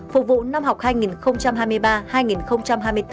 phục vụ năm học hai nghìn hai mươi ba hai nghìn hai mươi bốn